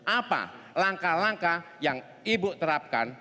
apa langkah langkah yang ibu terapkan